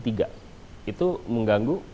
tiga itu mengganggu